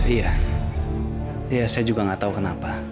iya ya saya juga gak tau kenapa